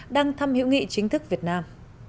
đang thăm hữu nghị chính thức việt nam